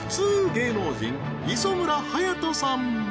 芸能人磯村勇斗さん